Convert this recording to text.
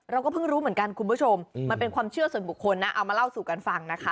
เราก็เพิ่งรู้เหมือนกันคุณผู้ชมมันเป็นความเชื่อส่วนบุคคลนะเอามาเล่าสู่กันฟังนะคะ